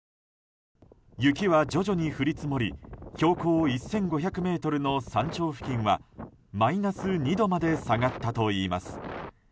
雪は徐々に降り積もり標高１５００ｍの山頂付近はマイナス２度まで下がったといいます。